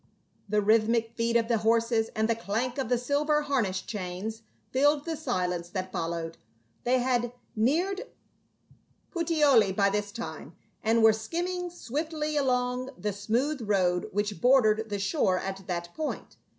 The rythmic feet of the horses and the clank of the silver harness chains filled the silence that followed. They had neared Puteoli by this time, and were skim ming swiftly along the smooth road which bordered the shore at that point.